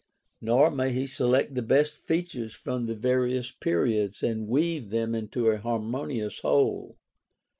Nor may he select the best features from the various periods and weave them into a harmonious whole.